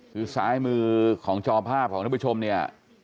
คือซ้ายมือของจอภาพของท่านผู้ชมเนี่ย